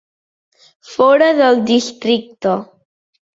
Fora del districte.